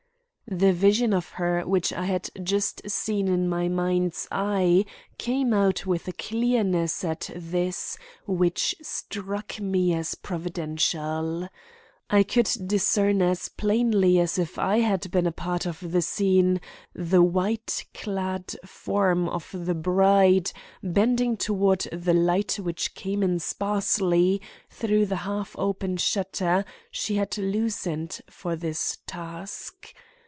The vision of her which I had just seen in my mind's eye came out with a clearness at this, which struck me as providential. I could discern as plainly as if I had been a part of the scene the white clad form of the bride bending toward the light which came in sparsely through the half open shutter she had loosened for this task.